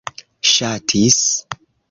ŝatis